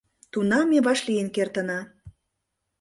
Тунам ме вашлийын кертына.